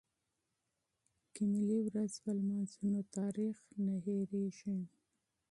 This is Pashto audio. که ملي ورځ ولمانځو نو تاریخ نه هیریږي.